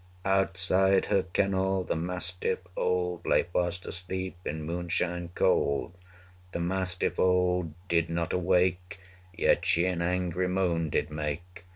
Outside her kennel, the mastiff old 145 Lay fast asleep, in moonshine cold. The mastiff old did not awake, Yet she an angry moan did make!